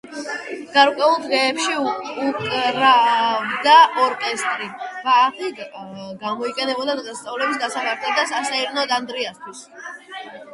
გარკვეულ დღეებში უკრავდა ორკესტრი, ბაღი გამოიყენებოდა დღესასწაულების გასამართად და სასეირნოდ.